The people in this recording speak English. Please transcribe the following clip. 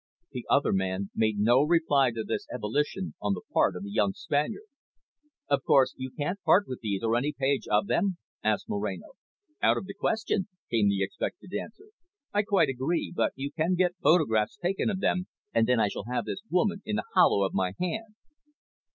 The other man made no reply to this ebullition on the part of the young Spaniard. "Of course you can't part with these, or any one page of them?" asked Moreno. "Out of the question," came the expected answer. "I quite agree. But you can get photographs taken of them, and then I shall have this woman in the hollow of my hand."